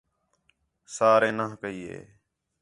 سارے نہ کئی ہِے